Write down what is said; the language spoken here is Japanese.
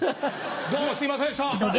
どうもすいませんでした